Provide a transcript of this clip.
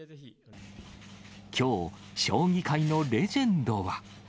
きょう、将棋界のレジェンドは。